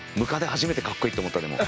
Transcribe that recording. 初めてかっこいいと思ったでも。